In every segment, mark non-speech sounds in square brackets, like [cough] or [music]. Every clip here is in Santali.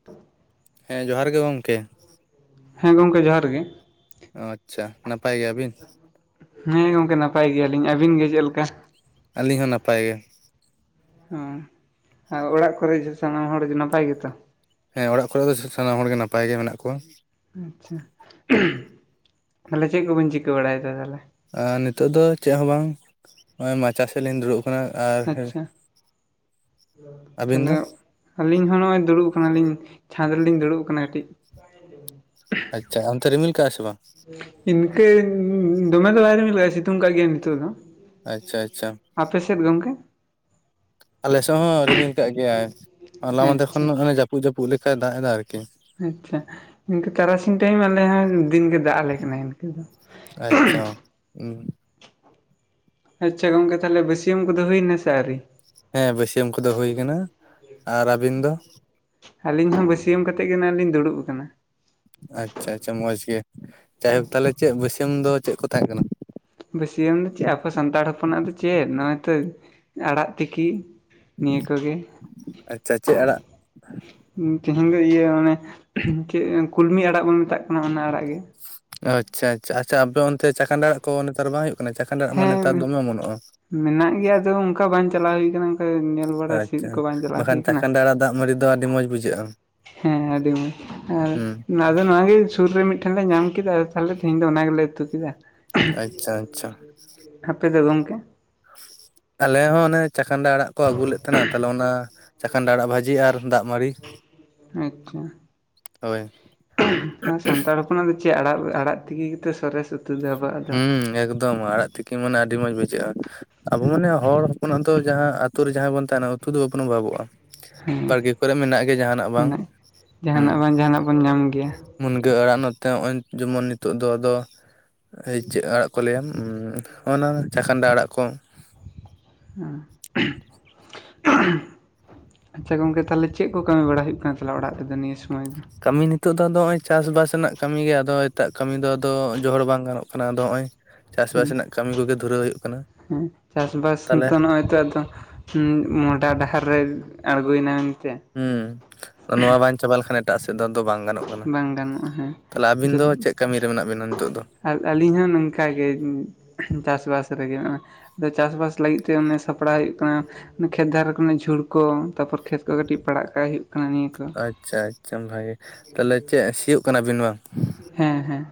[inaudible] ᱦᱮᱸ ᱡᱚᱦᱟᱨ ᱜᱮ ᱜᱚᱝᱠᱮ ᱦᱮᱸ ᱜᱚᱝᱠᱮ ᱡᱚᱦᱟᱨ ᱜᱮ ᱟᱪᱪᱷᱟ ᱱᱟᱯᱟᱭ ᱜᱮᱭᱟ ᱵᱤᱱ ᱦᱮᱸ ᱜᱚᱝᱠᱮ ᱱᱟᱯᱟᱭ ᱜᱮᱭᱟᱞᱤᱧ ᱟᱹᱵᱤᱱ ᱜᱮ ᱪᱮᱫ ᱞᱮᱠᱟ? ᱟᱹᱞᱤᱧ ᱦᱚᱸ ᱱᱟᱯᱟᱭ ᱜᱮ ᱚᱸ ᱟᱨ ᱚᱲᱟᱜ ᱠᱚᱨᱮ ᱡᱚ ᱥᱟᱱᱟᱢ ᱦᱚᱲ ᱜᱮ ᱱᱟᱯᱟᱭ ᱜᱮᱛᱚ ᱦᱮᱸ ᱚᱲᱟᱜ ᱠᱚᱨᱮ ᱫᱚ ᱥᱟᱱᱟᱢ ᱦᱚᱲ ᱜᱮ ᱱᱟᱯᱟᱭ ᱜᱮ ᱢᱮᱱᱟᱜ ᱠᱚᱣᱟ ᱟᱪᱪᱷᱟ ᱛᱟᱞᱮ ᱪᱮᱫ ᱠᱚᱵᱮᱱ ᱪᱤᱠᱟᱹ ᱵᱟᱲᱟᱭᱫᱟ ᱛᱟᱞᱮ ᱟᱨ ᱱᱤᱛᱚᱜ ᱫᱚ ᱪᱮᱫ ᱦᱚᱸ ᱵᱟᱝ ᱱᱚᱜᱚᱭ ᱢᱟᱪᱟ ᱥᱮᱫ ᱞᱤᱧ ᱫᱩᱲᱩᱵ ᱠᱟᱱᱟ ᱟᱨ- ᱟᱪᱪᱷᱟ [inaudible] ᱟᱹᱵᱤᱱ ᱛᱟᱦᱚᱞᱮ ᱫᱚ ᱟᱹᱞᱤᱧ ᱦᱚᱸ ᱱᱚᱜ-ᱚᱭ ᱫᱩᱲᱩᱵ ᱠᱟᱱᱟᱞᱤᱧ ᱪᱷᱟᱸᱫᱽ ᱨᱮᱞᱤᱧ ᱫᱩᱲᱩᱵ ᱠᱟᱱᱟ ᱠᱟᱹᱡ [inaudible] ᱟᱪᱪᱷᱟ ᱦᱟᱱᱛᱮ ᱨᱤᱢᱤᱞ ᱠᱟᱜᱼᱟ ᱥᱮ ᱵᱟᱝ ᱤᱱᱠᱟᱹ ᱫᱚᱢᱮ ᱫᱚ ᱵᱟᱭᱟ ᱨᱤᱢᱤᱞ ᱠᱟᱜ-ᱟ ᱥᱤᱛᱩᱝ ᱠᱟᱜ ᱜᱮᱭᱟᱭ ᱱᱤᱛᱚᱜ ᱫᱚ ᱟᱪᱪᱷᱟ ᱟᱪᱪᱷᱟ ᱟᱯ ᱥᱮᱫ ᱜᱚᱝᱠᱮ? ᱟᱞᱮᱥᱮᱜ ᱦᱚᱸ ᱨᱤᱢᱤᱞ ᱠᱟᱜ ᱜᱮᱭᱟᱭ ᱦᱚᱞᱟ ᱢᱟᱱᱫᱮᱨ ᱟᱪᱪᱷᱟ ᱠᱷᱚᱱ ᱡᱟᱹᱯᱩᱫ ᱡᱟᱹᱯᱩᱫ ᱞᱮᱠᱟᱭ ᱫᱟᱜ ᱮᱫᱟ ᱟᱨᱠᱤ ᱟᱪᱷᱟ ᱤᱝᱠᱟᱹ ᱛᱟᱨᱟᱥᱤᱧ ᱴᱟᱭᱤᱢ ᱟᱞᱮ ᱦᱚᱸ ᱫᱤᱱ ᱜᱮ ᱫᱟᱜ ᱟᱞᱮ ᱠᱟᱱᱟ ᱤᱱᱠᱟᱹ ᱫᱚ [inaudible] ᱦᱩᱸ ᱟᱪᱪᱷᱟ ᱜᱚᱝᱠᱮ ᱛᱟᱦᱚᱞᱮ ᱵᱟᱹᱥᱭᱢ ᱠᱚᱫᱚ ᱦᱩᱭᱮᱱᱟ ᱥᱮ ᱟᱹᱣᱨᱤ ᱦᱮᱸ ᱵᱟᱹᱥᱭᱟᱹᱢ ᱠᱚᱫᱚ ᱦᱩᱭᱩ ᱠᱟᱱᱟ ᱟᱨ ᱟᱹᱵᱤᱱ ᱫᱚ? ᱟᱹᱞᱤᱧ ᱦᱚᱸ ᱵᱟᱹᱥᱭᱟᱹ ᱠᱟᱛᱮᱫ ᱜᱮ ᱱᱚᱜᱼᱚᱭ ᱞᱤᱧ ᱫᱩᱲᱩᱵ ᱟᱠᱟᱱᱟ ᱟᱪᱪᱷᱟ ᱟᱪᱪᱷᱟ ᱢᱚᱸᱡᱽ ᱜᱮ ᱡᱟᱭᱦᱳᱠ ᱛᱟᱦᱮᱞᱮ ᱪᱮᱫ ᱵᱟᱹᱭᱥᱭ ᱫᱚ ᱪᱮᱫ ᱠᱚ ᱛᱟᱦᱮᱸ ᱠᱟᱱᱟ ᱵᱟᱹᱥᱭᱟᱹᱢ ᱫᱚ ᱪᱮᱫ ᱟᱵᱚ ᱥᱟᱱᱛᱟᱲ ᱦᱚᱯᱚᱱᱟᱜ ᱫᱚ ᱪᱮᱫ ᱱᱚᱜᱼᱚᱭ ᱛᱚ ᱟᱲᱟᱜ ᱛᱤᱠᱤ ᱱᱤᱭᱟᱹ ᱠᱚ ᱜᱮ ᱟᱪᱪᱷᱟ ᱪᱮᱫ ᱟᱲᱟᱜ ᱛᱮᱦᱤᱧ ᱫᱚ ᱤᱭᱟᱹ ᱚᱱᱮ ᱪᱮᱫ ᱠᱩᱞᱢᱤ ᱟᱲᱟᱜ ᱵᱚᱱ ᱢᱮᱛᱟᱜ ᱠᱟᱱᱟ ᱚᱱᱟ ᱟᱲᱟᱜ ᱜᱮ ᱟᱪᱪᱷᱟ ᱟᱪᱪᱷᱟ ᱟᱪᱪᱷᱟ ᱟᱯᱮ ᱚᱱᱛᱮ ᱪᱟᱠᱟᱱᱰᱟ ᱟᱲᱟᱜ ᱠᱚ ᱱᱮᱛᱟᱨ ᱵᱟᱝ ᱦᱩᱭᱩᱜ ᱠᱟᱱᱟ ᱪᱟᱠᱟᱱᱰᱟ ᱟᱲᱟᱜ ᱢᱟ ᱦᱮᱸ ᱱᱮᱛᱟᱨ ᱫᱚᱢᱮ ᱚᱢᱚᱱᱚᱜᱼᱟ ᱢᱮᱱᱟᱜ ᱜᱮᱭᱟ ᱟᱫᱚ ᱚᱱᱠᱟ ᱵᱟᱝ ᱪᱟᱞᱟᱣ ᱦᱩᱭ ᱠᱟᱱᱟ ᱧᱮᱞ ᱵᱟᱲᱟ ᱥᱤᱫ ᱟᱪᱪᱷᱟ ᱠᱚ ᱵᱟᱝ ᱪᱟᱞᱟᱣ ᱦᱩᱭ ᱵᱟᱠᱷᱟᱱ ᱠᱟᱱᱟ ᱪᱟᱠᱟᱱᱰᱟ ᱟᱲᱟᱜ ᱫᱟᱜ ᱢᱟᱹᱲᱤ ᱫᱚ ᱟᱹᱰᱤ ᱢᱚᱸᱡᱽ ᱵᱩᱡᱷᱟᱹᱜᱼᱟ ᱦᱮᱸ ᱟᱹᱰᱤ ᱢᱚᱡᱽ ᱟᱨ ᱦᱩᱸ ᱟᱫᱚ ᱱᱚᱣᱟᱜᱮ ᱥᱩᱨ ᱨᱮ ᱢᱤᱫ ᱴᱷᱮᱱ ᱞᱮ ᱧᱟᱢ ᱠᱮᱫᱟ ᱛᱟᱦᱞᱮ ᱛᱮᱦᱤᱧ ᱫᱚ ᱚᱱᱟ ᱜᱮᱞᱮ ᱩᱛᱩ ᱠᱮᱫᱟ ᱟᱪᱪᱷᱟ ᱟᱪᱪᱷᱟ ᱟᱯᱮ ᱫᱚ ᱜᱚᱢᱠᱮ ᱟᱞᱮ ᱦᱚᱸ ᱚᱱᱮ ᱪᱟᱠᱟᱱᱰᱟ ᱟᱲᱟᱜ ᱠᱚ ᱟᱹᱜᱩ ᱞᱮᱫ ᱛᱟᱦᱮᱱᱟ ᱛᱟᱞᱦᱮ ᱚᱱᱟ ᱪᱟᱠᱟᱱᱰᱟ ᱟᱲᱟᱜ ᱵᱷᱟᱹᱡᱤ ᱟᱨ ᱫᱟᱜ ᱢᱟᱹᱲᱤ ᱟᱪᱪᱷᱟ ᱦᱳᱭ ᱥᱟᱱᱛᱟᱲ ᱚᱱᱟ ᱫᱚ ᱪᱮᱫ ᱟᱲᱟᱜ ᱟᱲᱟᱜ ᱛᱤᱠᱤ ᱥᱚᱨᱮᱥ ᱩ ᱦᱩᱸ ᱮᱠᱫᱚᱢ ᱟᱲᱟᱜ ᱛᱤᱠᱤ ᱢᱟᱱᱮ ᱟᱹᱰᱤ ᱢᱚᱡᱽ ᱵᱩᱡᱷᱟᱹᱜᱼᱟ ᱟᱵᱚ ᱢᱟᱱᱮ ᱦᱚᱲ ᱟᱵᱚᱱᱟᱜ ᱫᱚ ᱡᱟᱦᱟᱸ ᱟᱛᱩ ᱨᱮ ᱡᱟᱦᱟᱸᱭ ᱵᱚᱱ ᱛᱟᱦᱮᱱᱟ ᱩᱛᱩ ᱫᱚ ᱵᱟᱵᱚᱱ ᱚᱵᱷᱟᱵᱚᱜᱼᱟ ᱦᱮᱸ ᱵᱟᱲᱜᱮ ᱠᱚᱨᱮ ᱢᱮᱱᱟᱜ ᱜᱮ ᱡᱟᱦᱟᱱᱟᱜ ᱵᱟᱝ ᱢᱮᱱᱟᱜ ᱦᱩᱸ ᱡᱟᱦᱟᱱᱟᱜ ᱵᱟᱝ ᱡᱟᱦᱟᱱᱟᱜ ᱵᱚᱱ ᱧᱟᱢ ᱜᱮᱭᱟ ᱢᱩᱱᱜᱟᱹ ᱟᱲᱟᱜ ᱱᱚᱛᱮ ᱱᱚᱜᱼᱚᱭ ᱡᱮᱢᱚᱱ ᱱᱤᱛᱚᱜ ᱫᱚ ᱟᱫᱚ ᱪᱮᱫ ᱟᱲᱟᱜ ᱠᱚ ᱞᱟᱹᱭᱟ ᱚᱱᱟ ᱪᱷᱟᱠᱟᱱᱰᱟ ᱟᱲᱟᱜ ᱠᱚ [unintelligible] ᱟᱪᱪᱷᱟ ᱜᱚᱝᱠᱮ ᱛᱟᱞᱦᱮ ᱪᱮᱫ ᱠᱚ ᱠᱟᱹᱢᱤ ᱵᱟᱲᱟ ᱦᱩᱭᱩᱜ ᱠᱟᱱᱟ ᱛᱟᱦᱞᱮ ᱚᱲᱟᱜ ᱨᱮᱫᱚ ᱱᱤᱭᱟᱹ ᱥᱚᱢᱚᱭ ᱫᱚ ᱠᱟᱹᱢᱤ ᱱᱤᱛᱳᱜ ᱫᱚ ᱱᱚᱜᱚᱭ ᱪᱟᱥᱵᱟᱥ ᱨᱮᱱᱟᱜ ᱠᱟᱹᱢᱤ ᱜᱮ ᱟᱫᱚ ᱮᱴᱟᱜ ᱠᱟᱹᱢᱤ ᱫᱚ ᱟᱫᱚ ᱡᱚᱦᱚᱲ ᱵᱟᱝ ᱜᱟᱱᱚᱜ ᱠᱟᱱᱟ ᱟᱫᱚ ᱦᱚᱜᱼᱚᱭ ᱪᱟᱥᱵᱟᱥ ᱨᱮᱱᱟᱜ ᱠᱟᱹᱢᱤ ᱠᱚᱜᱮ ᱫᱷᱩᱨᱟᱹᱣ ᱦᱩᱭᱩᱜ ᱠᱟᱱᱟ ᱦᱩᱸ ᱪᱟᱥᱵᱟᱥ ᱛᱟᱦᱚᱞᱮ ᱱᱤᱛᱳᱜ ᱱᱚᱜᱼᱚᱭ ᱛᱚ ᱟᱫᱚ ᱦᱩᱸ ᱢᱚᱦᱰᱟ ᱰᱟᱦᱟᱨ ᱨᱮ ᱟᱸᱲᱜᱳᱭ ᱱᱟᱭ ᱢᱮᱱ ᱛᱮ ᱦᱩᱸ ᱱᱚᱣᱟ ᱵᱟᱝ ᱪᱟᱵᱟ ᱞᱮᱠᱷᱟᱱ ᱮᱴᱟᱜ ᱥᱮᱫ ᱫᱚ ᱵᱟᱝ ᱜᱟᱱᱚᱜ ᱠᱟᱱᱟ ᱵᱟᱝ ᱜᱟᱱᱚᱜᱼᱟ ᱦᱮᱸ ᱛᱟᱦᱚᱞᱮ ᱟᱹᱵᱤᱱ ᱫᱚ ᱪᱮᱫ ᱠᱟᱹᱢᱤ ᱨᱮ ᱢᱮᱱᱟᱜ ᱵᱤᱱᱟ ᱱᱤᱛᱚᱜ ᱫᱚ ᱟᱨ ᱟᱹᱞᱤᱧ ᱦᱚᱸ ᱱᱚᱝᱠᱟᱜᱮ ᱪᱟᱥᱵᱟᱥ ᱨᱮᱜᱮ ᱟᱫᱚ ᱪᱟᱥᱵᱟᱥ ᱞᱟᱹᱜᱤᱫ ᱛᱮ ᱚᱱᱮ ᱥᱟᱯᱲᱟᱣ ᱦᱩᱭᱩᱜ ᱠᱟᱱᱟ ᱠᱷᱮᱛ ᱫᱷᱟᱨᱮ ᱠᱚᱨᱮ ᱱᱟᱜ ᱡᱷᱩᱲ ᱠᱚ ᱛᱟᱨᱯᱚᱨ ᱠᱷᱮᱛ ᱠᱚ ᱠᱟᱹᱴᱤᱡ ᱯᱟᱲᱟᱜ ᱠᱟᱜ ᱦᱩᱭᱩᱜ ᱠᱟᱱᱟ ᱱᱤᱭᱟᱹ ᱠᱚ ᱟᱪᱪᱷᱟ ᱟᱪᱪᱷᱟ ᱵᱷᱟᱜᱮ ᱛᱟᱦᱚᱞᱮ ᱪᱮᱫ ᱥᱤᱭᱳᱜ ᱠᱟᱱᱟᱵᱤᱱ ᱵᱟᱝ ᱦᱮᱸ ᱦᱮᱸ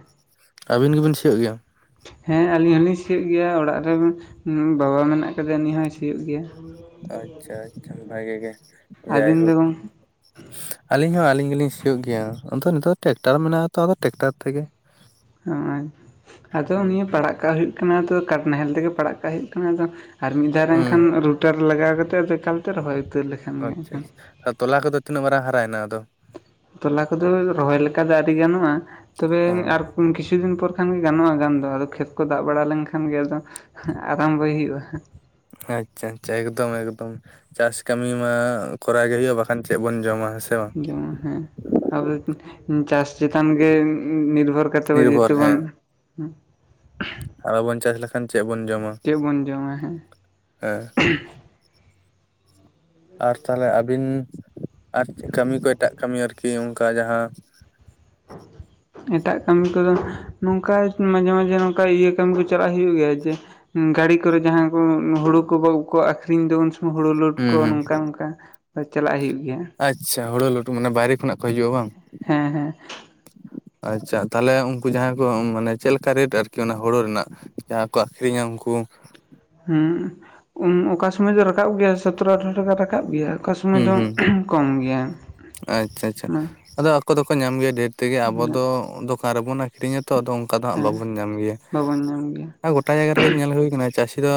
ᱟᱹᱵᱤᱱ ᱜᱮᱵᱤᱱ ᱥᱤᱭᱳᱜ ᱜᱮᱭᱟ ᱦᱮᱸ ᱟᱞᱤᱧ ᱦᱚᱞᱤᱧ ᱥᱤᱭᱳᱜ ᱜᱮᱭᱟ ᱚᱲᱟᱜ ᱨᱮ ᱵᱟᱵᱟ ᱢᱮᱱᱟᱜ ᱠᱟᱫᱮᱭᱟ ᱩᱱᱤ ᱦᱚᱸᱭ ᱥᱤᱭᱳᱜ ᱜᱮᱭᱟ ᱟᱪᱪᱷᱟ ᱟᱪᱪᱷᱟ ᱵᱷᱟᱜᱮ ᱜᱮ ᱟᱹᱵᱤᱱ ᱫᱚ ᱡᱟᱭᱦᱳᱠ ᱜᱚᱝᱠᱮ ᱟᱞᱤᱧ ᱦᱚᱸ ᱟᱹᱞᱤᱧ ᱜᱮᱞᱤᱧ ᱥᱤᱭᱳᱜ ᱜᱮᱭᱟ ᱟᱫᱚ ᱱᱤᱛᱚᱜ ᱫᱚ ᱴᱮᱠᱴᱟᱨ ᱢᱮᱱᱟᱜᱼᱟ ᱟᱛᱚ ᱟᱫᱚ ᱴᱮᱠᱴᱟᱨ ᱛᱮᱜᱮ [inaudible] ᱦᱚᱸᱜ-ᱚᱭ ᱟᱫᱚ ᱦᱩᱸ ᱱᱤᱭᱟᱹ ᱯᱟᱲᱟᱜ ᱠᱟᱜ ᱦᱩᱭᱩᱜ ᱠᱟᱱᱟ ᱛᱚ ᱠᱟᱴ ᱱᱟᱦᱮᱞ ᱛᱮᱜᱮ ᱯᱟᱲᱟᱜ ᱠᱟᱜ ᱦᱩᱭᱩᱜ ᱠᱟᱱᱟ ᱟᱫᱚ ᱟᱨ ᱢᱤᱫ ᱫᱷᱟᱣ ᱦᱩᱸ ᱮᱱᱠᱷᱟᱱ ᱨᱩᱴᱟᱨ ᱞᱟᱜᱟᱣ ᱠᱟᱛᱮᱫ ᱮᱠᱟᱞᱛᱮ ᱨᱚᱦᱚᱭ ᱩᱛᱟᱹᱨ ᱞᱮᱠᱷᱟᱱ ᱜᱮ ᱟᱪᱪᱷᱟ ᱮᱱᱠᱷᱟᱱ ᱟᱪᱪᱷᱟ ᱛᱚᱞᱟ ᱠᱚᱫᱚ ᱛᱤᱱᱟᱹᱜ ᱢᱟᱨᱟᱝ ᱦᱟᱨᱟᱭᱮᱱᱟ ᱟᱫᱚ ᱛᱚᱞᱟ ᱠᱚᱫᱚ ᱨᱚᱦᱚᱭ ᱞᱮᱠᱟ ᱫᱚ ᱟᱣᱹᱨᱤ ᱜᱟᱱᱚᱜᱼᱟ ᱛᱚᱵᱮ ᱚ ᱟᱨ ᱠᱤᱪᱷᱩ ᱫᱤᱱ ᱯᱚᱨ ᱠᱷᱟᱱ ᱜᱮ ᱜᱟᱱᱚᱜᱼᱟ ᱜᱟᱱ ᱫᱚ ᱟᱫᱚ ᱠᱷᱮᱛ ᱠᱚ ᱫᱟᱜ ᱵᱟᱲᱟ ᱞᱮᱱᱠᱷᱟᱱ ᱜᱮ ᱟᱫᱚ ᱟᱨᱟᱢᱵᱚᱭ ᱦᱩᱭᱩᱜᱼᱟ ᱟᱪᱪᱷᱟ ᱟᱪᱪᱷᱟ ᱮᱠᱫᱚᱢ ᱮᱠᱫᱚᱢ ᱪᱟᱥ ᱠᱟᱹᱢᱤ ᱢᱟ ᱠᱚᱨᱟᱣ ᱜᱮ ᱦᱩᱭᱩᱜᱼᱟ ᱵᱟᱠᱷᱟᱱ ᱪᱮᱫ ᱵᱚᱱ ᱡᱚᱢᱟ ᱦᱮᱸ ᱥᱮ ᱵᱟᱝ ᱡᱮᱢᱚᱱ ᱦᱮᱸ ᱟᱵᱮ ᱪᱟᱥ ᱪᱮᱛᱟᱱ ᱜᱮ ᱱᱤᱨᱵᱷᱚᱨ ᱠᱟᱛᱮ ᱡᱮᱦᱮᱛᱩ ᱱᱤᱨᱵᱷᱚᱨ ᱵᱚᱱ ᱟᱨᱚ ᱵᱚᱱ ᱪᱟᱥ ᱞᱮᱠᱷᱟᱱ ᱪᱮᱫ ᱵᱚᱱ ᱡᱚᱢᱟ ᱪᱮᱫ ᱵᱚᱱ ᱡᱚᱢᱟ ᱦᱮᱸ ᱦᱮᱸ ᱟᱨ ᱛᱟᱦᱚᱞᱮ ᱟᱵᱤᱱ ᱟᱨ ᱠᱟᱹᱢᱤ ᱠᱚ ᱮᱴᱟᱜ ᱠᱟᱹᱢᱤ ᱟᱨᱠᱤ ᱚᱱᱠᱟ ᱡᱟᱦᱟᱸ [inaudible] ᱮᱴᱟᱜ ᱠᱟᱹᱢᱤ ᱠᱚᱫᱚ ᱱᱚᱝᱠᱟ ᱢᱟᱡᱷᱮ ᱢᱟᱡᱷᱮ ᱱᱚᱝᱠᱟ ᱤᱭᱟᱹ ᱠᱟᱹᱢᱤ ᱠᱚ ᱪᱟᱞᱟᱜ ᱦᱩᱭᱩᱜ ᱜᱮᱭᱟ ᱡᱮ ᱜᱟᱹᱲᱤ ᱠᱚᱨᱮ ᱡᱟᱦᱟᱸ ᱠᱚ ᱦᱩᱲᱩ ᱠᱚ ᱜᱚᱜᱠᱚ ᱟᱠᱷᱨᱤᱧ ᱫᱚ ᱩᱱ ᱥᱚᱢᱚᱭ ᱦᱩᱲᱩ ᱞᱩᱴ ᱠᱚ ᱦᱩᱸ ᱦᱩᱸ ᱱᱚᱝᱠᱟ ᱱᱚᱝᱠᱟ ᱪᱟᱞᱟᱜ ᱦᱩᱭᱩᱜ ᱜᱮᱭᱟ ᱾ ᱟᱪᱷᱟ ᱦᱳᱲᱩ ᱞᱩᱴ ᱢᱟᱱᱮ ᱵᱟᱭᱨᱮ ᱠᱷᱚᱱᱟᱜ ᱠᱚ ᱦᱤᱡᱩᱜᱼᱟ ᱵᱟᱝ ᱾ ᱦᱮᱸ ᱦᱮᱸ ᱟᱪᱷᱟ ᱛᱟᱦᱚᱞᱮ ᱩᱱᱠᱩ ᱡᱟᱦᱟᱸᱭ ᱠᱚ ᱢᱟᱱᱮ ᱪᱮᱫ ᱞᱮᱠᱟ ᱨᱮᱴ ᱟᱨᱠᱤ ᱚᱱᱟ ᱦᱩᱲᱩ ᱨᱮᱱᱟᱜ ᱡᱟᱦᱟᱸ ᱠᱚ ᱟᱠᱷᱨᱤᱧᱟ ᱩᱱᱠᱩ ᱦᱮᱸ ᱚᱠᱟ ᱥᱚᱢᱚᱭ ᱫᱚ ᱨᱟᱠᱟᱵ ᱜᱮᱭᱟ ᱥᱚᱛᱮᱨᱚ ᱟᱴᱷᱟᱨᱚ ᱴᱟᱠᱟ ᱨᱟᱠᱟᱵ ᱜᱮᱭᱟ ᱚᱠᱟ ᱥᱚᱢᱚᱭ ᱫᱚ ᱠᱚᱢ ᱜᱮᱭᱟ ᱾ ᱟᱪᱷᱟ ᱟᱪᱷᱟ ᱾ ᱟᱫᱚ ᱟᱠᱚ ᱫᱚᱠᱚ ᱧᱟᱢ ᱜᱮᱭᱟ ᱰᱷᱮᱨ ᱛᱮᱜᱮ ᱟᱵᱚ ᱩᱱᱟᱹᱜ ᱫᱚ ᱫᱚᱠᱟᱱ ᱨᱮᱵᱚᱱ ᱟᱠᱷᱨᱤᱧᱟᱛᱚ ᱟᱫᱚ ᱚᱱᱠᱟ ᱫᱚ ᱦᱟᱸᱜ ᱦᱮᱸ ᱵᱟᱵᱚᱱ ᱧᱟᱢ ᱜᱮᱭᱟ ᱾ ᱵᱟᱵᱚᱱ ᱧᱟᱢ ᱜᱮᱭᱟ ᱜᱚᱴᱟ ᱡᱟᱭᱜᱟ ᱨᱮᱜᱮ ᱧᱮᱞ ᱦᱩᱭᱠᱟᱱᱟ ᱪᱟᱹᱥᱤ ᱫᱚ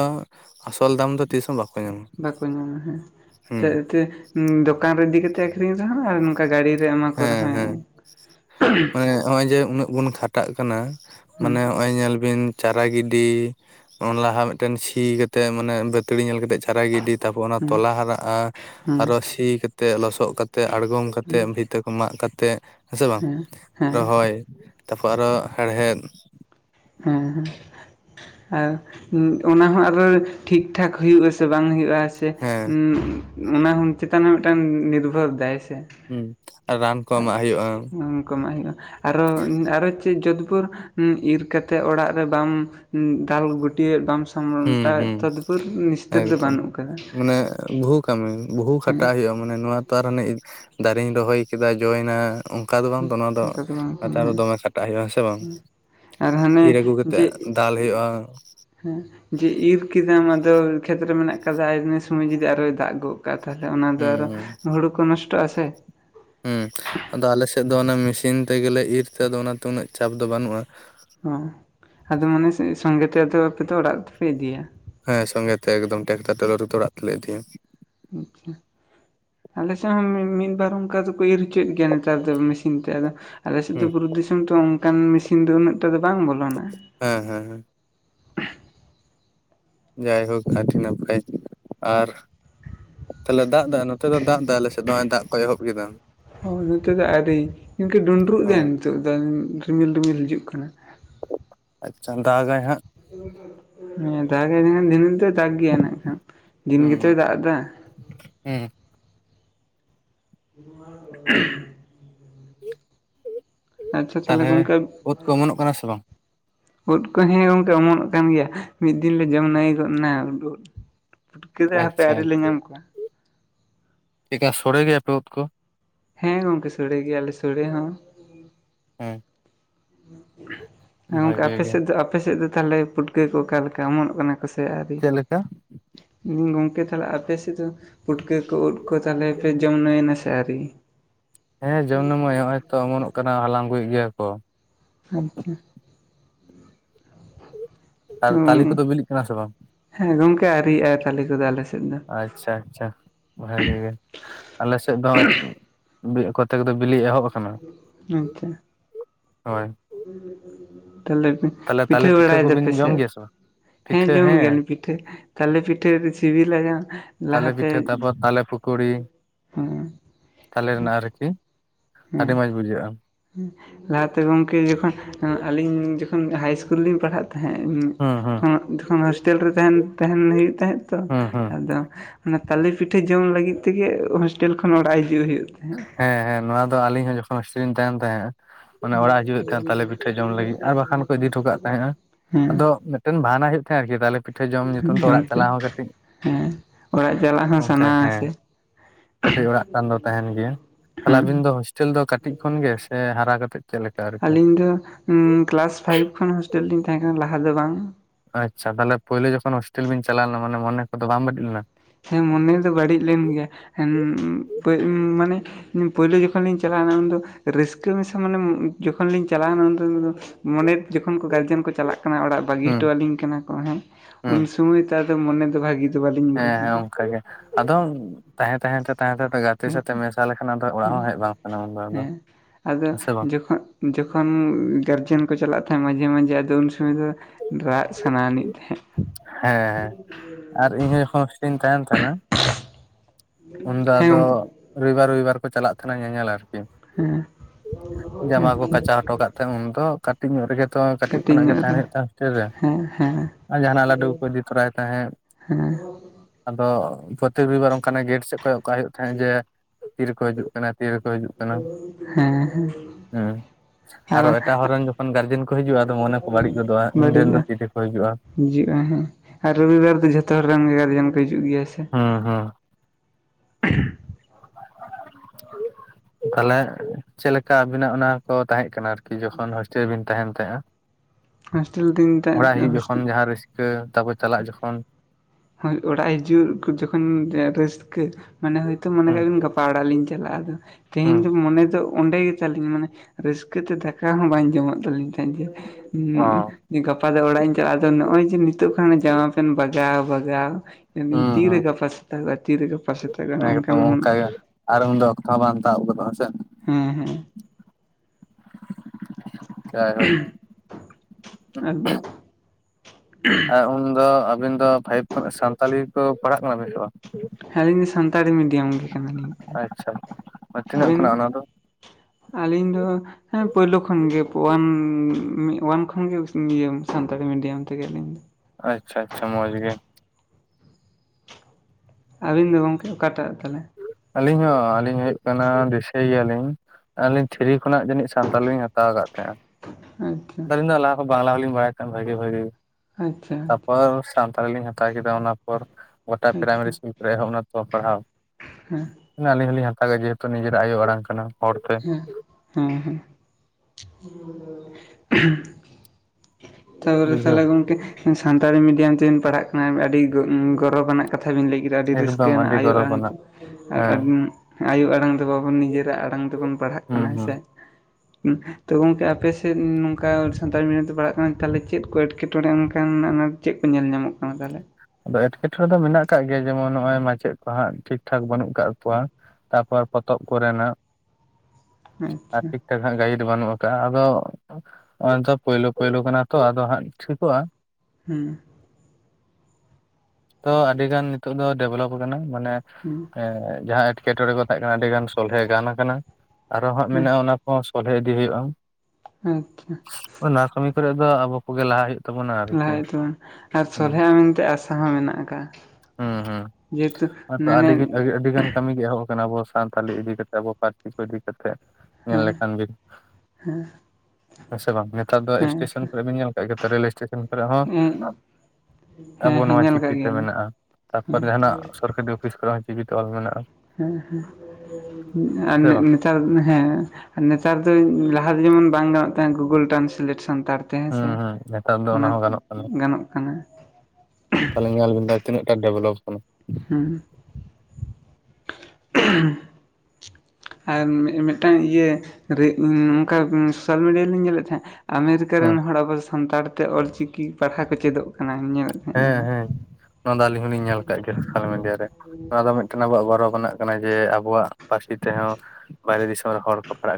ᱟᱥᱚᱞ ᱫᱟᱢ ᱫᱚ ᱛᱤᱥ ᱦᱚᱸ ᱵᱟᱠᱚ ᱧᱟᱢᱟ ᱵᱟᱠᱚ ᱧᱟᱢᱟ ᱦᱮᱸ ᱦᱩᱸ ᱛᱮ ᱛᱮ ᱫᱚᱠᱟᱱ ᱨᱮ ᱤᱫᱤ ᱠᱟᱛᱮᱫ ᱟᱠᱷᱨᱤᱧ ᱨᱮᱦᱚᱸ ᱟᱨ ᱱᱚᱝᱠᱟ ᱜᱟᱹᱲᱤ ᱨᱮ ᱮᱢᱟᱜ ᱮᱢᱟ ᱠᱚᱨᱮ ᱦᱮᱸ ᱦᱚᱭ ᱦᱮᱸ ᱢᱟᱱᱮ ᱱᱚᱜ ᱚᱭ ᱡᱮ ᱩᱱᱟᱹᱜ ᱵᱚᱱ ᱠᱷᱟᱴᱟᱜ ᱠᱟᱱᱟ ᱦᱩᱸ ᱢᱟᱱᱮ ᱱᱚᱜ ᱚᱭ ᱧᱮᱞ ᱵᱤᱱ ᱪᱟᱨᱟ ᱜᱤᱰᱤ ᱞᱟᱦᱟ ᱢᱤᱫᱴᱮᱱ ᱥᱤ ᱠᱟᱛᱮᱫ ᱢᱟᱱᱮ ᱵᱟᱹᱛᱲᱤ ᱧᱮᱞ ᱠᱟᱛᱮ ᱠᱷᱟᱨᱟ ᱜᱤᱰᱤ ᱛᱟᱯᱚᱨ ᱚᱱᱟ ᱦᱩᱸ ᱛᱚᱞᱟ ᱦᱟᱨᱟᱜᱼᱟ ᱾ ᱦᱩᱸ ᱦᱩᱸ ᱟᱨᱚ ᱥᱤ ᱠᱟᱛᱮᱜ ᱞᱚᱥᱚᱜ ᱠᱟᱛᱮᱜ ᱟᱲᱜᱚᱢ ᱠᱟᱛᱮᱜ ᱵᱷᱤᱛ ᱛᱮ ᱠᱚ ᱢᱟᱜ ᱠᱟᱛᱮᱜ ᱦᱮᱸ ᱥᱮ ᱵᱟᱝ ᱨᱚᱦᱚᱭ ᱛᱟᱯᱚᱨ ᱟᱨᱚ ᱦᱮᱲᱦᱮᱫ ᱦᱮᱸ ᱦᱮᱸ ᱟᱨ ᱚᱱᱟ ᱦᱚᱸ ᱟᱨᱦᱚ ᱴᱷᱤᱠ ᱴᱷᱟᱠ ᱦᱩᱭᱩᱜᱼᱟᱥᱮ ᱵᱟᱝ ᱦᱩᱭᱩᱜᱼᱟ ᱾ ᱥᱮ ᱦᱮᱸ ᱚᱱᱟ ᱪᱮᱛᱟᱱ ᱦᱚᱸ ᱢᱤᱫᱴᱟᱝ ᱱᱤᱨᱵᱷᱚᱨ ᱫᱟᱭ ᱥᱮ ᱦᱩᱸ ᱟᱨ ᱨᱟᱱ ᱠᱚ ᱮᱢᱟᱜ ᱦᱩᱭᱩᱜᱼᱟ ᱾ ᱠᱚ ᱮᱢᱟᱜ ᱦᱩᱭᱩᱜ-ᱟ ᱟᱨᱦᱚᱸ ᱟᱨᱦᱚᱸ ᱪᱮᱫ ᱡᱳᱫᱯᱩᱨ ᱤᱨ ᱠᱟᱛᱮᱜ ᱚᱲᱟᱜ ᱨᱮ ᱵᱟᱢ ᱫᱟᱞ ᱜᱩᱴᱤᱭᱮᱜ ᱵᱟᱢ ᱦᱩᱸ ᱥᱟᱢᱴᱟᱣᱮᱫ ᱦᱩᱸ ᱛᱚᱫᱵᱩᱨ ᱱᱤᱥᱛᱟᱹᱨ ᱫᱚ ᱮᱠᱫᱚᱢ ᱵᱟᱹᱱᱩᱜ ᱟᱠᱟᱫᱟ ᱢᱟᱱᱮ ᱵᱩᱦᱩ ᱠᱟᱹᱢᱤ ᱵᱩᱦᱩ ᱠᱷᱟᱴᱟᱜ ᱦᱮᱸ ᱦᱩᱭᱩᱜᱼᱟ ᱾ ᱢᱟᱱᱮ ᱱᱚᱣᱟ ᱛᱚ ᱟᱨ ᱦᱟᱱᱤ ᱫᱟᱨᱮᱧ ᱨᱚᱦᱚᱭ ᱠᱮᱫᱟ ᱡᱚᱭᱮᱱᱟ ᱚᱱᱠᱟ ᱫᱚ ᱵᱟᱝ ᱫᱚ ᱱᱚᱣᱟ ᱫᱚ ᱚᱱᱠᱟ ᱵᱟᱝ ᱠᱟᱱᱟ ᱛᱟᱭᱚᱢ ᱫᱚ ᱦᱮᱸ ᱫᱚᱢᱮ ᱠᱷᱴᱟᱜ ᱦᱩᱭᱩᱜᱼᱟ ᱦᱮᱸ ᱥᱮ ᱵᱟᱝ ᱟᱨ ᱦᱟᱱᱮ ᱤᱨ ᱟᱹᱜᱩ ᱠᱟᱛᱮᱫ ᱡᱮ ᱫᱟᱞ ᱦᱩᱭᱩᱜᱼᱟ ᱾ ᱦᱮᱸ ᱡᱮ ᱤᱨ ᱠᱮᱫᱟᱢ ᱟᱫᱚ ᱠᱷᱮᱛᱨᱮ ᱢᱮᱱᱟᱜ ᱠᱟᱫᱟ ᱟᱨ ᱤᱱᱠᱟᱹ ᱥᱚᱢᱚᱭ ᱡᱩᱫᱤ ᱟᱨᱚᱭ ᱫᱟᱜ ᱜᱚᱜ ᱠᱟᱜ ᱛᱟᱦᱚᱞᱮ ᱚᱱᱟ ᱦᱩᱸ ᱫᱚ ᱟᱨᱚ ᱦᱩᱲᱩ ᱠᱚ ᱱᱚᱥᱴᱚ ᱟᱥᱮ ᱦᱮᱸ ᱟᱫᱚ ᱟᱞᱮ ᱥᱮᱫ ᱫᱚ ᱚᱱᱟ ᱢᱮᱥᱤᱱ ᱛᱮᱜᱮᱞᱮ ᱤᱨ ᱛᱮ ᱟᱫᱚ ᱚᱱᱟᱛᱮ ᱩᱱᱟᱹᱜ ᱪᱟᱯ ᱫᱚ ᱵᱟᱹᱱᱩᱜᱼᱟ ᱾ ᱚ ᱟᱫᱚ ᱢᱟᱱᱮ ᱥᱚᱸᱜᱮᱛᱮ ᱟᱫᱚ ᱟᱯᱮ ᱫᱚ ᱚᱲᱟᱜ ᱛᱮᱯᱮ ᱤᱫᱤᱭᱟ ᱦᱮᱸ ᱥᱚᱸᱜᱮ ᱛᱮ ᱮᱠᱫᱚᱢ ᱴᱮᱠᱴᱟᱨ ᱛᱮ [unintelligible] ᱚᱲᱟᱜ ᱛᱮᱞᱮ ᱤᱫᱤᱭᱟ ᱾ ᱟᱞᱮ ᱥᱮ ᱢᱤ ᱢᱤᱫ ᱵᱟᱨ ᱚᱱᱠᱟ ᱫᱚ ᱠᱚ ᱤᱨ ᱦᱚᱪᱚᱭᱮᱫ ᱜᱮᱭᱟ ᱱᱮᱛᱟᱨ ᱫᱚ ᱢᱮᱥᱤᱱ ᱛᱮ ᱟᱫᱚ ᱟᱞᱮᱥᱮᱫ ᱫᱚ ᱦᱩᱸ ᱵᱩᱨᱩ ᱫᱤᱥᱚᱢ ᱛᱚ ᱚᱱᱠᱟᱱ ᱢᱮᱥᱤᱱ ᱫᱚ ᱩᱱᱟᱜ ᱛᱮ ᱫᱚ ᱵᱟᱝ ᱵᱚᱞᱚᱱᱟ ᱦᱮᱸ ᱦᱮᱸ ᱦᱮᱸ ᱡᱟᱭᱦᱳᱠ ᱟᱹᱰᱤ ᱱᱟᱯᱟᱭ ᱟᱨ ᱛᱟᱦᱚᱞᱮ ᱫᱟᱜ ᱫᱟᱭ ᱱᱚᱛᱮ ᱫᱚ ᱫᱟᱜ ᱫᱟᱭ ᱟᱞᱮᱥᱮᱫ ᱫᱚ ᱦᱟᱸᱜ ᱫᱟᱜ ᱠᱚᱭ ᱮᱦᱚᱵ ᱠᱮᱫᱟ ᱾ ᱚ ᱱᱚᱛᱮ ᱫᱚ ᱟᱭᱨᱤᱧ ᱤᱱᱠᱟᱹ ᱰᱩᱸᱰᱨᱩᱜ ᱦᱮᱸ ᱫᱟᱭ ᱱᱤᱛᱚᱜ ᱫᱚ ᱨᱤᱢᱤᱞ ᱨᱤᱢᱤᱞ ᱦᱤᱡᱩᱜ ᱠᱟᱱᱟ ᱾ ᱟᱪᱷᱟ ᱫᱟᱜᱟᱭ ᱦᱟᱸᱜ ᱾ ᱦᱮᱸ ᱫᱟᱜᱟᱭ ᱫᱤᱱᱟᱹᱝ ᱫᱚᱭ ᱫᱟᱜ ᱜᱮᱭᱟ ᱠᱷᱟᱱ ᱫᱤᱱ ᱜᱮᱛᱚᱭ ᱫᱟᱜ ᱮᱫᱟ ᱾ ᱮᱸ [inaudible] ᱟᱪᱷᱟ ᱛᱟᱦᱚᱞᱮ ᱛᱟᱦᱞᱮ ᱜᱚᱝᱠᱮ ᱳᱫ ᱠᱚ ᱚᱢᱚᱱᱚᱜ ᱠᱟᱱᱟ ᱥᱮ ᱵᱟᱝ ᱩᱫ ᱠᱚ ᱦᱮᱸ ᱜᱚᱝᱠᱮ ᱚᱢᱚᱱᱚᱜ ᱠᱟᱱ ᱜᱮᱭᱟ ᱢᱤᱫ ᱫᱤᱱ ᱞᱮ ᱡᱚᱢ ᱱᱟᱹᱭ ᱜᱚᱫ ᱱᱟ ᱯᱩᱴᱠᱟᱹ ᱫᱚ ᱦᱟᱯᱮ ᱟᱪᱪᱷᱟ ᱟᱹᱨᱤ ᱞᱮ ᱧᱟᱢ ᱠᱚᱣᱟ ᱾ ᱪᱮᱠᱟ ᱥᱚᱲᱮ ᱜᱮᱭᱟ ᱯᱮ ᱩᱫ ᱠᱚ ᱾ ᱦᱮᱸ ᱜᱚᱝᱠᱮ ᱥᱚᱲᱮ ᱜᱮᱭᱟᱞᱮ ᱥᱚᱲᱮ ᱦᱚᱸ ᱦᱮᱸ ᱦᱚᱸ ᱜᱚᱝᱠᱮ ᱵᱷᱟᱜᱮ ᱟᱯᱮ ᱜᱮ ᱥᱮᱫ ᱫᱚ ᱟᱯᱮ ᱥᱮᱫ ᱫᱚ ᱛᱟᱦᱚᱞᱮ ᱯᱩᱴᱠᱟᱹ ᱠᱚ ᱚᱠᱟᱞᱮᱠᱟ ᱚᱢᱚᱱᱚᱜ ᱠᱟᱱᱟ ᱯᱟ ᱥᱮ ᱟᱹᱤ ᱪᱮᱫ ᱞᱮᱠᱟ ᱜᱚᱝᱠᱮ ᱛᱟᱦᱚᱞᱮ ᱟᱯᱮ ᱥᱮᱫ ᱫᱚ ᱯᱩᱴᱠᱟᱹ ᱠᱚ ᱩᱫᱠᱚ ᱛᱟᱦᱚᱞᱮ ᱡᱚᱢᱱᱟᱹᱭᱱᱟ ᱥᱮ ᱟᱨᱤ ᱦᱮᱸ ᱡᱚᱱᱢᱚᱭ ᱱᱚᱜᱼᱚᱭ ᱛᱚ ᱚᱢᱚᱱᱚᱜ ᱠᱟᱱᱟ ᱦᱟᱞᱟᱝᱜᱩᱭᱮᱫ ᱜᱮᱭᱟ ᱠᱚ᱾ ᱟᱪᱪᱷᱟ ᱟᱨ ᱛᱚ ᱛᱟᱞᱮ ᱠᱚᱫᱚ ᱵᱤᱞᱤᱜ ᱠᱟᱱᱟ ᱥᱮ ᱵᱟᱝ ᱦᱮᱸ ᱜᱚᱝᱠᱮ ᱟᱹᱤᱭᱟᱜ ᱟᱜ ᱛᱟᱞᱤ ᱠᱚᱫᱚ ᱟᱞᱮ ᱥᱮᱫ ᱫᱚ ᱟᱪᱪᱷᱟ ᱟᱪᱪᱷᱟ ᱵᱷᱟᱜᱮ ᱜᱮ ᱟᱞᱮᱥᱮᱫ ᱫᱚ ᱚᱭ ᱠᱚᱛᱮ ᱠᱚᱫᱚ ᱵᱤᱞᱤ ᱮᱦᱚᱵ ᱠᱟᱱᱟ ᱦᱳᱭ ᱛᱟᱦᱞᱮ ᱛᱟᱦᱚᱞᱮ ᱛᱟᱞᱮ ᱯᱤᱴᱷᱟᱹ ᱵᱟᱲᱟᱭ ᱠᱚᱵᱤᱱ ᱫᱟᱯᱮ ᱥᱮ ᱡᱚᱢ ᱜᱮᱭᱟ ᱵᱟᱝ ᱦᱮᱸ ᱡᱚᱢ ᱜᱮᱭᱟᱞᱤᱧ ᱯᱤᱴᱷᱟᱹ ᱛᱟᱦᱚᱞᱮ ᱯᱤᱴᱷᱟᱹ ᱨᱮ ᱥᱤᱵᱤᱞᱟ ᱞᱟᱦᱟᱛᱮ ᱠᱩᱲᱤ ᱦᱩᱸ ᱛᱟᱞᱮ ᱨᱮᱱᱟᱜ ᱟᱨᱠᱤ ᱦᱮᱸ ᱟᱹᱰᱤ ᱢᱚᱡᱽ ᱵᱩᱡᱷᱟᱹᱜᱼᱟ ᱞᱟᱦᱟᱛᱮ ᱜᱚᱝᱠᱮ ᱡᱚᱠᱷᱚᱱ ᱟᱹᱞᱤᱧ ᱡᱚᱠᱷᱚᱱ ᱦᱟᱭ ᱤᱥᱠᱩᱞ ᱨᱮᱞᱤᱧ ᱯᱟᱲᱦᱟᱜ ᱛᱟᱦᱮᱸ ᱦᱩᱸ ᱦᱩᱸ ᱛᱚᱠᱷᱚᱱ ᱦᱳᱥᱴᱮᱞ ᱨᱮ ᱛᱟᱦᱮᱱ ᱛᱟᱦᱮᱱ ᱦᱩᱭᱩᱜ ᱛᱟᱦᱮᱸᱜ ᱛᱚ ᱦᱩᱸ ᱦᱩᱸ ᱟᱫᱚ ᱚᱱᱟ ᱛᱟᱞᱮ ᱯᱤᱴᱷᱟᱹ ᱡᱚᱢ ᱞᱟᱹᱜᱤᱫ ᱛᱮᱜᱮ ᱦᱳᱥᱴᱮᱞ ᱠᱷᱚᱱ ᱚᱲᱟᱜ ᱦᱤᱡᱩᱜ ᱦᱩᱭᱩᱜ ᱛᱟᱦᱮᱸ ᱦᱮᱸ ᱦᱮᱸ ᱱᱚᱣᱟ ᱫᱚ ᱟᱹᱞᱤᱧ ᱦᱚᱸ ᱡᱚᱠᱷᱚᱱ ᱦᱳᱥᱴᱮᱞ ᱞᱤᱧ ᱛᱟᱦᱮᱱ ᱛᱟᱦᱮᱸ ᱚᱲᱟᱜ ᱦᱤᱡᱩᱜ ᱛᱟᱦᱮᱸ ᱛᱟᱞᱮ ᱯᱤᱴᱷᱟᱹ ᱡᱚᱢ ᱞᱟᱹᱜᱤᱫ ᱟᱨ ᱵᱟᱠᱷᱟᱱ ᱠᱚ ᱤᱫᱤ ᱦᱚᱴᱚ ᱠᱟᱜ ᱛᱟᱦᱮᱸᱜᱼᱟ ᱟᱫᱚ ᱦᱮᱸ ᱵᱟᱦᱟᱱᱟ ᱦᱩᱭᱩᱜ ᱛᱟᱦᱮᱸ ᱟᱨᱠᱤ ᱛᱟᱞᱮ ᱯᱤᱴᱷᱟᱹ ᱡᱚᱢ ᱧᱩᱛᱩᱢ ᱛᱮ ᱚᱲᱟᱜ ᱪᱟᱞᱟᱣ ᱠᱟᱹᱴᱤᱡ ᱦᱮᱸ ᱚᱲᱟᱜ ᱪᱟᱞᱟᱜ ᱦᱚᱸ ᱚᱱᱠᱟ ᱥᱟᱱᱟᱣᱟ ᱦᱮᱸ᱾ ᱥᱮ ᱠᱟᱹᱴᱤᱡ ᱚᱲᱟᱜ ᱴᱟᱱ ᱫᱚ ᱛᱟᱦᱮᱱ ᱜᱮᱭᱟ ᱛᱟᱦᱚᱞᱮ ᱦᱮᱸ ᱟᱵᱤᱱ ᱫᱚ ᱦᱳᱥᱴᱮᱞ ᱫᱚ ᱠᱟᱹᱴᱤᱡ ᱠᱷᱚᱱ ᱜᱮ ᱥᱮ ᱦᱟᱨᱟ ᱠᱟᱛᱮᱜ ᱪᱮᱫ ᱞᱮᱠᱟ? ᱟᱨᱠᱤ ᱟᱹᱞᱤᱧ ᱫᱚ ᱠᱮᱞᱟᱥ ᱯᱷᱟᱭᱤᱵᱽ ᱠᱷᱚᱱ ᱦᱳᱥᱴᱮᱞ ᱞᱤᱧ ᱛᱟᱦᱮᱸ ᱠᱟᱱᱟ ᱞᱟᱦᱟ ᱫᱚ ᱵᱟᱝ ᱟᱪᱪᱷᱟ ᱛᱟᱦᱚᱞᱮ ᱯᱳᱭᱞᱳ ᱡᱚᱠᱷᱚᱱ ᱦᱳᱥᱴᱮᱞ ᱵᱮᱱ ᱪᱟᱞᱟᱣ ᱞᱮᱱᱟ ᱢᱟᱱᱮ ᱢᱚᱱᱮ ᱠᱚᱫᱚ ᱵᱟᱝ ᱵᱟᱹᱲᱤᱡ ᱞᱮᱱᱟ ᱦᱮᱸ ᱢᱚᱱᱮ ᱫᱚ ᱵᱟᱹᱲᱤᱡ ᱞᱮᱱ ᱜᱮᱭᱟ ᱢᱟᱱᱮ ᱯᱳᱭᱞᱳ ᱡᱚᱠᱷᱚᱱ ᱞᱤᱧ ᱪᱟᱞᱟᱣᱱᱟ ᱩᱱᱫᱚ ᱨᱟᱹᱥᱠᱟᱹ ᱢᱮᱥᱟ ᱢᱟᱱᱮ ᱡᱚᱠᱷᱚᱱ ᱞᱤᱧ ᱪᱟᱞᱟᱣᱱᱟ ᱩᱱ ᱫᱚ ᱢᱚᱱᱮᱛ ᱡᱚᱠᱷᱚᱱ ᱠᱚ ᱜᱟᱨᱡᱮᱱ ᱠᱚ ᱪᱟᱞᱟᱜ ᱠᱟᱱᱟ ᱚᱲᱟᱜ ᱵᱟᱹᱜᱤ ᱦᱩᱸ ᱦᱚᱴᱚ ᱟᱹᱞᱤᱧ ᱠᱟᱱᱟ ᱠᱚ ᱦᱮᱸ ᱦᱩᱸ ᱩᱱ ᱥᱩᱢᱟᱹᱭ ᱛᱟᱫᱚ ᱢᱚᱱᱮ ᱫᱚ ᱵᱷᱟᱹᱜᱤ ᱫᱚ ᱵᱟᱹᱞᱤᱧ ᱵᱩᱡ ᱦᱮᱸ ᱦᱮᱸ ᱞᱮᱫᱟ ᱚᱱᱠᱟ ᱜᱮ ᱟᱫᱚᱢ ᱛᱟᱦᱮᱸ ᱛᱟᱦᱮᱸ ᱛᱮ ᱛᱟᱦᱮᱸ ᱜᱟᱛᱮ ᱦᱮᱸ ᱛᱚ ᱥᱟᱶᱛᱮᱜ ᱢᱮᱥᱟ ᱞᱮᱠᱷᱟᱱ ᱟᱫᱚ ᱚᱲᱟᱜ ᱦᱮᱸ ᱦᱚᱸ ᱦᱮᱡ ᱵᱟᱝ ᱥᱟᱱᱟ ᱩᱱᱵᱟᱨ ᱫᱚ᱾ ᱦᱮᱸ ᱟᱫᱚ ᱡᱚᱠᱷᱚᱱ ᱡᱚᱠᱷᱚᱱ ᱜᱟᱨᱡᱮᱱ ᱠᱚ ᱪᱟᱞᱟᱜ ᱛᱟᱦᱮᱸ ᱢᱟᱡᱷᱮ ᱢᱟᱡᱷᱮ ᱟᱫᱚ ᱩᱱ ᱥᱩᱢᱚᱭ ᱫᱚ ᱨᱟᱜ ᱥᱟᱱᱟᱱᱤᱡ ᱛᱟᱦᱮᱸ ᱦᱮᱸ ᱟᱨ ᱤᱧᱦᱚᱸ ᱡᱚᱠᱷᱚᱱ ᱦᱚᱥᱴᱮᱞ ᱨᱮᱧ ᱛᱟᱦᱮᱱ ᱛᱟᱦᱮᱱᱟ ᱩᱱ ᱫᱚ ᱦᱮᱸ ᱟᱫᱚ ᱜᱚᱝᱠᱮ ᱨᱚᱵᱤᱵᱟᱨ ᱨᱚᱵᱤᱵᱟᱨ ᱠᱚ ᱪᱟᱞᱟᱜ ᱛᱟᱦᱮᱱᱟ ᱧᱮᱧᱮᱞ ᱟᱨᱠᱤ ᱦᱮᱸ ᱡᱟᱢᱟ ᱠᱚ ᱟᱪᱪᱷᱟ ᱠᱟᱪᱟᱣ ᱦᱚᱴᱚ ᱠᱟᱛᱮ ᱛᱟᱦᱮᱸ ᱩᱱ ᱫᱚ ᱠᱟᱹᱴᱤᱡ ᱧᱚᱜ ᱨᱮᱜᱮ ᱛᱚ ᱠᱟᱹᱴᱤᱡ ᱠᱷᱚᱱᱟᱜ ᱜᱮ ᱧᱚᱜ ᱛᱟᱦᱮᱱ ᱨᱮ ᱦᱩᱭᱩᱜ ᱛᱟᱦᱮᱸ ᱦᱳᱥᱴᱮᱞ ᱨᱮ ᱦᱮᱸ ᱦᱮᱸ ᱟᱨ ᱡᱟᱦᱟᱱᱟᱜ ᱞᱟᱹᱰᱩ ᱠᱚ ᱠᱚ ᱤᱫᱤ ᱛᱚᱨᱟᱭ ᱛᱟᱦᱮᱸᱫ ᱦᱮᱸ ᱟᱫᱚ ᱯᱨᱚᱛᱮᱠ ᱨᱚᱵᱤᱵᱟᱨ ᱚᱱᱠᱟ ᱚᱱᱮ ᱜᱮᱴ ᱥᱮᱫ ᱠᱚᱭᱚᱜ ᱠᱟᱜ ᱦᱳᱭᱳᱜ ᱛᱟᱦᱮᱸᱜ ᱡᱮ ᱛᱤ ᱨᱮᱠᱚ ᱦᱤᱡᱩᱜ ᱠᱟᱱᱟ ᱛᱤ ᱨᱮᱠᱚ ᱦᱤᱡᱩᱜ ᱠᱟᱱᱟ ᱦᱩᱸ [unintelligible] ᱟᱨᱚ ᱟᱨ ᱮᱴᱟᱜ ᱦᱚᱲ ᱨᱮᱱ ᱡᱚᱠᱷᱚᱱ ᱜᱟᱨᱡᱮᱱ ᱠᱚ ᱦᱤᱡᱩᱜᱼᱟ ᱟᱫᱚ ᱢᱚᱱᱮ ᱠᱚ ᱵᱟᱹᱲᱤᱡ ᱜᱚᱫᱚᱜᱼᱟ ᱤᱧ ᱨᱮᱱ ᱫᱚ ᱵᱟᱹᱲᱤᱡᱚᱜᱼᱟ ᱛᱤᱨᱮ ᱠᱚ ᱦᱤᱡᱩᱜᱼᱟ᱾ ᱦᱤᱡᱩᱜᱼᱟ ᱦᱮᱸ ᱟᱨ ᱨᱚᱵᱤᱵᱟᱨ ᱫᱚ ᱡᱷᱚᱛᱚ ᱦᱚᱲ ᱨᱮᱱ ᱜᱟᱨᱡᱮᱱ ᱠᱚ ᱦᱤᱡᱩᱜ ᱜᱮᱭᱟ ᱥᱮ᱾ ᱦᱩᱸ ᱦᱩᱸ ᱛᱟᱦᱚᱞᱮ ᱪᱮᱫ ᱞᱮᱠᱟ ᱟᱵᱤᱱᱟᱜ ᱚᱱᱟ ᱠᱚ ᱛᱟᱦᱮᱸᱜ ᱠᱟᱱᱟ ᱟᱨᱠᱤ ᱡᱚᱠᱷᱚᱱ ᱦᱳᱥᱴᱮᱞ ᱵᱤᱱ ᱛᱟᱦᱮᱱ ᱛᱟᱦᱮᱸᱜᱼᱟ। ᱦᱳᱥᱴᱮᱞ ᱛᱤᱧ [unintelligible] ᱦᱮ ᱛᱟᱯᱚᱨ ᱪᱟᱞᱟᱜ ᱡᱚᱠᱷᱚᱱ ᱚᱲᱟᱜ ᱦᱤᱡᱩᱜ ᱡᱚᱠᱷᱚᱱ ᱨᱟᱹᱥᱠᱟᱹ ᱢᱟᱱᱮ ᱦᱳᱭᱛᱳ ᱦᱩᱸ ᱢᱚᱱᱮᱵᱤᱱ ᱜᱟᱯᱟ ᱚᱲᱟᱞᱤᱧ ᱪᱟᱞᱟᱜᱼᱟ ᱟᱫᱚ ᱦᱩᱸ ᱛᱮᱦᱤᱧ ᱫᱚ ᱢᱚᱱᱮ ᱫᱚ ᱚᱸᱰᱮ ᱜᱮ ᱛᱟᱞᱤᱧ ᱢᱟᱱᱮ ᱨᱟᱹᱥᱠᱟᱹ ᱛᱮ ᱫᱟᱠᱟ ᱦᱚᱸ ᱵᱟᱝ ᱡᱚᱢᱚᱜ ᱛᱟᱹᱞᱤᱧ ᱚ ᱦᱩᱸ ᱜᱟᱯᱟ ᱫᱚ ᱚᱲᱟᱜ ᱤᱧ ᱪᱟᱞᱟᱜᱼᱟ ᱟᱫᱚ ᱱᱚᱜᱼᱚᱭ ᱡᱮ ᱱᱤᱛᱚᱜ ᱠᱷᱚᱱ ᱡᱟᱢᱟ ᱯᱮᱱᱴ ᱵᱟᱜᱟᱣ, ᱵᱟᱜᱟᱣ ᱩᱸ ᱦᱩᱸ ᱛᱤᱨᱮ ᱦᱩᱸ ᱜᱟᱯᱟ ᱥᱮᱛᱟᱜᱚᱜᱼᱟ ᱛᱤᱨᱮ ᱜᱟᱯᱟ ᱥᱮᱛᱟᱜ ᱮᱠᱫᱚᱢ ᱱᱚᱝᱠᱟᱱ ᱚᱱᱠᱟ ᱜᱮ ᱟᱨ ᱩᱱ ᱫᱚ ᱚᱠᱛᱚ ᱦᱚᱸ ᱵᱟᱝ ᱛᱟᱵ ᱜᱚᱫᱚᱜ- ᱟ ᱦᱮᱸᱥᱮ? ᱦᱩᱸ ᱦᱮᱸ ᱡᱟᱭ ᱦᱳᱜ [unintelligible] ᱟᱨ ᱩᱱᱫᱚ ᱟᱹᱵᱤᱱ ᱫᱚ ᱯᱷᱟᱭᱤᱵᱽ ᱠᱷᱚᱱᱟᱜ ᱥᱟᱱᱛᱟᱞᱤ ᱠᱚ ᱯᱟᱲᱦᱟᱜ ᱠᱟᱱᱟᱵᱤᱱ ᱥᱮ ᱵᱟᱝ? ᱦᱮᱸ ᱟᱹᱞᱤᱧ ᱫᱚ ᱥᱟᱱᱛᱟᱲᱤ ᱢᱤᱰᱤᱭᱟᱢ ᱜᱮ ᱠᱟᱱᱟᱞᱤᱧ, ᱟᱪᱪᱷᱟ ᱛᱤᱱᱟᱹᱜ ᱟᱹᱵᱤᱱ ᱠᱷᱚᱱᱟᱜ ᱫᱚ? ᱚᱱᱟ ᱟᱹᱞᱤᱧ ᱫᱚ ᱦᱮᱸ ᱯᱳᱭᱞᱳ ᱠᱷᱚᱱ ᱜᱮ ᱳᱭᱟᱱ, ᱳᱭᱟᱱ ᱠᱷᱚᱱ ᱜᱮ ᱤᱭᱟᱹ ᱥᱟᱱᱛᱟᱲᱤ ᱢᱤᱰᱤᱭᱟᱢ ᱛᱮᱜᱮ ᱟᱹᱞᱤᱧ ᱫᱚ᱾ ᱟᱪᱪᱷᱟ ᱟᱪᱪᱷᱟ ᱢᱚᱡᱽ ᱜᱮ᱾ ᱟᱹᱵᱤᱱ ᱫᱚ ᱜᱚᱢᱠᱮ ᱚᱠᱟᱴᱟᱜ ᱛᱟᱦᱚᱞᱮ? ᱟᱹᱞᱤᱧ ᱦᱚᱸ ᱟᱹᱞᱤᱧ ᱦᱩᱭᱩᱜ ᱠᱟᱱᱟ ᱫᱤᱥᱟᱹᱭ ᱜᱮᱭᱟᱞᱤᱧ ᱟᱹᱞᱤᱧ ᱛᱷᱤᱨᱤ ᱠᱷᱚᱱᱟᱜ ᱡᱟᱹᱱᱤᱡ ᱥᱟᱱᱛᱟᱞᱤ ᱞᱤᱧ ᱦᱟᱛᱟᱣ ᱟᱠᱟᱜᱼᱟ᱾ ᱟᱪᱪᱷᱟ ᱟᱹᱞᱤᱧ ᱫᱚ ᱞᱟᱦᱟ ᱠᱷᱚᱱ ᱵᱟᱝᱞᱟ ᱦᱚᱸᱞᱤᱧ ᱵᱟᱲᱟᱭ ᱛᱟᱸᱦᱮᱫ ᱵᱷᱟᱹᱜᱮ ᱵᱷᱟᱹᱜᱮ, ᱟᱪᱪᱷᱟ ᱛᱟᱯᱚᱨ ᱥᱟᱱᱛᱟᱲᱤ ᱞᱤᱧ ᱦᱟᱛᱟᱣ ᱠᱮᱫᱟ ᱚᱱᱟ ᱯᱚᱨ ᱜᱚᱴᱟ ᱯᱨᱟᱭᱢᱟᱨᱤ ᱟᱪᱪᱷᱟ ᱤᱥᱠᱩᱞ ᱠᱚᱨᱮ ᱮᱦᱚᱵ ᱱᱟᱛᱚ ᱯᱟᱲᱦᱟᱣ, ᱦᱮᱸ ᱟᱹᱞᱤᱧ ᱦᱚᱸᱞᱤᱧ ᱦᱟᱛᱟᱣ ᱜᱮ ᱡᱮᱦᱮᱛᱩ ᱱᱤᱡᱮᱨᱟᱜ ᱟᱭᱳ ᱟᱲᱟᱝ ᱠᱟᱱᱟ ᱦᱚᱲ ᱛᱮ ᱦᱩᱸ ᱦᱩᱸ ᱛᱟᱯᱚᱨᱮ ᱵᱩᱡᱷᱟᱹᱣ ᱛᱟᱦᱚᱞᱮ ᱜᱚᱝᱠᱮ ᱥᱟᱱᱛᱟᱲᱤ ᱢᱤᱰᱤᱭᱟᱢ ᱛᱮᱵᱤᱱ ᱯᱟᱲᱦᱟᱜ ᱠᱟᱱᱟ ᱟᱹᱰᱤ ᱜᱚ ᱩᱸ ᱜᱚᱨᱚᱵᱽ ᱟᱱᱟᱜ ᱠᱟᱛᱷᱟ ᱵᱤᱱ ᱞᱟᱹᱭ ᱠᱮᱫᱟ ᱟᱹᱰᱤ ᱨᱟᱹᱥᱠᱟᱹ ᱮᱠᱫᱚᱢ ᱟᱱᱟᱜ ᱟᱹᱰᱤ ᱟᱭᱳ ᱜᱚᱨᱚᱵᱽ ᱟᱲᱟᱝ ᱛᱮ ᱟᱱᱟᱜ ᱟᱨ ᱦᱮᱸ ᱟᱹᱰᱤ ᱟᱭᱳ ᱟᱲᱟᱝ ᱫᱚ ᱵᱟᱵᱚᱱ ᱱᱤᱡᱮᱨᱟᱜ ᱟᱲᱟᱝ ᱛᱮᱵᱚᱱ ᱯᱟᱲᱦᱟᱜ ᱠᱟᱱᱟ ᱦᱩᱸ ᱦᱮᱸ ᱦᱩᱸ ᱥᱮ? ᱛᱚ ᱜᱚᱝᱠᱮ ᱟᱯᱮ ᱥᱮᱫ ᱱᱚᱝᱠᱟ ᱥᱟᱱᱛᱟᱲᱤ ᱢᱤᱰᱤᱭᱟᱢ ᱛᱮ ᱯᱟᱲᱦᱟᱜ ᱠᱟᱱᱟ ᱛᱟᱦᱚᱞᱮ ᱪᱮᱫ ᱠᱚ ᱮᱴᱠᱮᱴᱚᱲᱮ ᱚᱱᱠᱟᱱ ᱟᱱᱟᱴ ᱪᱮᱫ ᱠᱚ ᱧᱮᱞ ᱧᱟᱢᱚᱜ ᱠᱟᱱᱟ ᱛᱟᱦᱚᱞᱮ? ᱟᱫᱚ ᱮᱸᱴᱠᱮᱴᱚᱲᱮ ᱫᱚ ᱢᱮᱱᱟᱜ ᱟᱠᱟᱫ ᱜᱮᱭᱟ ᱡᱮᱢᱚᱱ ᱱᱚᱜ-ᱚᱚᱭ ᱢᱟᱪᱮᱫ ᱠᱚ ᱦᱟᱸᱜ ᱴᱷᱤᱠ ᱴᱷᱟᱠ ᱵᱟᱹᱱᱩᱜ ᱠᱟᱜ ᱠᱚᱣᱟ᱾ ᱛᱟᱨᱯᱚᱨ ᱯᱚᱛᱚᱵ ᱠᱚᱨᱮᱱᱟᱜ [inaudible] ᱟᱨ ᱴᱷᱤᱠ [unintelligible] ᱜᱟᱭᱤᱰ ᱵᱟᱹᱱᱩᱜ ᱟᱠᱟᱫ-ᱟ, ᱟᱫᱚ ᱚᱱᱟᱫᱚ ᱯᱳᱭᱞᱳ ᱯᱳᱭᱞᱳ ᱠᱟᱱᱟ ᱛᱚ ᱟᱫᱚ ᱦᱟᱸᱜ ᱴᱷᱤᱠᱚᱜ-ᱟ᱾ ᱦᱩᱸ ᱛᱚ ᱟᱹᱰᱤ ᱜᱟᱱ ᱱᱤᱛᱳᱜ ᱫᱚ ᱰᱮᱵᱷᱞᱚᱯ ᱠᱟᱱᱟ ᱢᱟᱱᱮ ᱦᱩᱸ ᱮᱸ ᱡᱟᱦᱟᱸ ᱮᱸᱴᱠᱮᱴᱚᱲᱮ ᱠᱚ ᱛᱟᱦᱮᱜ ᱠᱟᱱᱟ ᱟᱹᱰᱤ ᱜᱟᱱ ᱥᱚᱞᱦᱮ ᱜᱟᱱ ᱟᱠᱟᱱᱟ, ᱟᱨᱚ ᱦᱟᱸᱜ ᱢᱮᱱᱟᱜᱼᱟ ᱚᱱᱟ ᱦᱚᱸ ᱥᱚᱞᱦᱮ ᱤᱫᱤ ᱦᱳᱭᱳᱜᱼᱟ᱾ ᱟᱪᱪᱷᱟ ᱚᱱᱟ ᱠᱟᱹᱢᱤ ᱠᱚᱨᱮ ᱫᱚ ᱟᱵᱚ ᱠᱚᱜᱮ ᱞᱟᱦᱟ ᱦᱳᱭᱳᱜ ᱦᱳᱭᱛᱚ ᱟᱨ ᱥᱚᱞᱦᱮᱜᱼᱟ ᱢᱮᱱᱛᱮ ᱟᱥᱟ ᱦᱚᱸ ᱢᱮᱱᱟᱜ ᱠᱟᱜᱼᱟ᱾ ᱦᱩᱸ ᱦᱩᱸ ᱦᱚᱸᱜᱚᱭ ᱛᱚ ᱟᱹᱰᱤ ᱟᱹᱰᱤᱜ ᱟᱹᱰᱤ ᱜᱟᱱ ᱠᱟᱹᱢᱤ ᱜᱮ ᱮᱦᱚᱵ ᱠᱟᱱᱟ ᱟᱵᱚ ᱥᱟᱱᱛᱟᱞᱤ ᱤᱫᱤ ᱠᱟᱛᱮ ᱟᱵᱚ ᱯᱟᱹᱨᱥᱤ ᱠᱚ ᱤᱫᱤ ᱠᱟᱛᱮ ᱧᱮᱞ ᱞᱮᱠᱷᱟᱱ ᱵᱤᱱ ᱦᱮᱸ ᱦᱮᱸ ᱥᱮ ᱵᱟᱝ ᱱᱮᱛᱟᱨ ᱫᱚ ᱦᱮᱸ ᱥᱴᱮᱥᱮᱱ ᱠᱚᱨᱮ ᱵᱤᱱ ᱧᱮᱞᱠᱟᱜ ᱜᱮᱭᱟ ᱛᱚ ᱨᱮᱹᱞ ᱮᱴᱮᱥᱮᱱ ᱠᱚᱨᱮ ᱦᱚᱸ ᱦᱮᱸ ᱟᱵᱚ ᱦᱮᱸ ᱦᱮᱸ ᱱᱚᱣᱟ ᱧᱮᱞ ᱪᱤᱠᱤ ᱠᱟᱜ ᱛᱮ ᱜᱮᱭᱟᱞᱤᱧ ᱢᱮᱱᱟᱜᱼᱟ ᱛᱟᱯᱚᱨ ᱦᱮᱸ ᱡᱟᱦᱱᱟᱜ ᱥᱚᱨᱠᱟᱨᱤ ᱚᱯᱷᱤᱥ ᱠᱚᱨᱮ ᱦᱚᱸ ᱪᱤᱠᱤ ᱛᱮ ᱚᱞ ᱢᱮᱱᱟᱜᱼᱟ᱾ ᱦᱮᱸ ᱦᱮᱸ ᱟᱨ ᱥᱮ ᱱᱮ ᱵᱟᱝ ᱱᱮ ᱛᱟᱨ ᱦᱮᱸ ᱱᱮᱛᱟᱨ ᱫᱚ ᱞᱟᱦᱟ ᱫᱚ ᱡᱮᱢᱚᱱ ᱵᱟᱝ ᱜᱟᱱᱚᱜ ᱛᱟᱦᱮᱸᱫ ᱜᱩᱜᱳᱞ ᱴᱨᱟᱱᱥᱞᱮᱴ ᱥᱟᱱᱛᱟᱲ ᱛᱮ ᱦᱩᱸ ᱦᱮᱸᱥᱮ ᱦᱩᱸ ᱱᱮᱛᱟᱨ ᱫᱚ ᱚᱱᱟ ᱦᱚᱸ ᱠᱚ ᱜᱟᱱᱚᱜ ᱠᱟᱱᱟ ᱜᱟᱱᱚᱜ ᱠᱟᱱᱟ [unintelligible] ᱛᱤᱱᱟᱹᱜᱴᱟ ᱰᱮᱵᱷᱚᱞᱚᱯ ᱠᱟᱱᱟ ᱦᱩᱸ ᱟᱨ ᱢᱤᱫᱴᱟᱱ ᱤᱭᱟᱹ ᱚᱝᱠᱟ ᱥᱳᱥᱟᱞ ᱢᱤᱰᱤᱭᱟ ᱨᱮᱞᱤᱧ ᱧᱮᱞᱮᱫ ᱛᱟᱦᱮᱸᱫ ᱟᱢᱮᱨᱤᱠᱟ ᱨᱮᱱ ᱦᱮᱸ ᱦᱚᱲ ᱟᱵᱚ ᱥᱟᱱᱛᱟᱲ ᱛᱮ ᱚᱞ ᱪᱤᱠᱤ ᱯᱟᱲᱦᱟᱣ ᱠᱚ ᱪᱮᱫᱚᱜ ᱠᱟᱱᱟ ᱧᱮᱞᱮᱫ ᱛᱟᱦᱮᱸᱱᱟ ᱦᱮᱸ ᱞᱤᱧ ᱦᱮᱸ ᱱᱚᱣᱟ ᱫᱚ ᱟᱹᱞᱤᱧ ᱦᱚᱸᱞᱤᱧ ᱧᱮᱞ ᱠᱟᱜ ᱜᱮᱭᱟ ᱥᱳᱥᱟᱞ ᱢᱤᱰᱤᱭᱟ ᱨᱮ ᱱᱚᱣᱟ ᱫᱚ ᱢᱤᱫᱴᱮᱱ ᱟᱵᱚᱣᱟᱜ ᱜᱚᱨᱚᱵᱽ ᱟᱱᱟᱜ ᱠᱟᱱᱟ ᱡᱮ ᱟᱵᱚᱣᱟᱜ ᱯᱟᱹᱨᱥᱤ ᱛᱮᱦᱚᱸ ᱵᱟᱦᱨᱮ ᱫᱤᱥᱚᱢ ᱨᱮ ᱦᱚᱲ ᱠᱚ ᱯᱟᱲᱦᱟᱜ ᱠᱟᱱᱟ